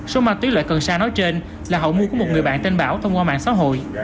số ma túy loại cần sa nói trên là hậu mua của một người bạn tên bảo thông qua mạng xã hội